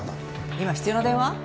今必要な電話？